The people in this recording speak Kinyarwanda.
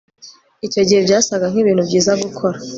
icyo gihe, byasaga nkibintu byiza gukora